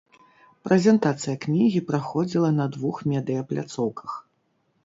Прэзентацыя кнігі праходзіла на двух медыя-пляцоўках.